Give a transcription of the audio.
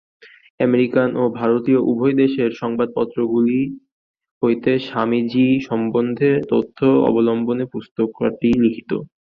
American ও ভারতীয় উভয় দেশের সংবাদপত্রগুলি হইতে স্বামীজী সম্বন্ধে তথ্য অবলম্বনে পুস্তিকাটি লিখিত।